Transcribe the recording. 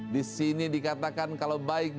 di sini dikatakan kalau baik